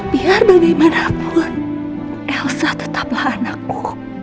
biar bagaimanapun elsa tetaplah anakku